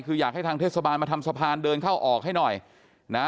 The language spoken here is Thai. คืออยากให้ทางเทศบาลมาทำสะพานเดินเข้าออกให้หน่อยนะ